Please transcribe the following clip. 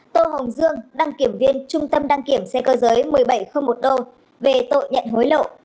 tô hồng dương đăng kiểm viên trung tâm đăng kiểm xe cơ giới một nghìn bảy trăm linh một đô về tội nhận hối lộ